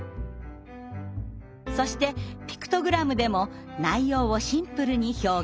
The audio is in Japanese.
そしてピクトグラムでも内容をシンプルに表現。